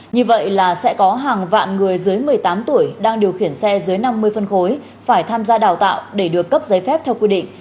như vậy là sẽ có hàng vạn người dưới một mươi tám tuổi đang điều khiển xe dưới năm mươi phân khối phải tham gia đào tạo để được cấp giấy phép theo quy định